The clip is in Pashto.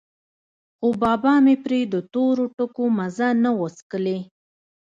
خو بابا مې پرې د تورو ټکو مزه نه وڅکلې.